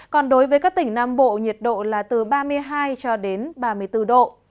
còn đối với các tỉnh nam bộ nhiệt độ là từ ba mươi hai cho đến ba mươi bốn độ